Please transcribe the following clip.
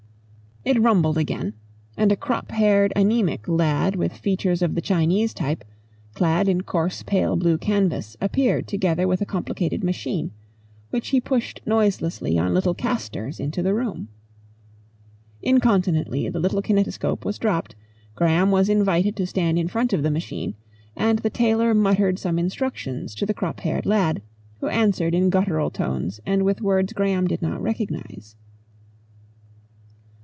It rumbled again, and a crop haired anemic lad with features of the Chinese type, clad in coarse pale blue canvas, appeared together with a complicated machine, which he pushed noiselessly on little castors into the room. Incontinently the little kinetoscope was dropped, Graham was invited to stand in front of the machine and the tailor muttered some instructions to the crop haired lad, who answered in guttural tones and with words Graham did not recognise.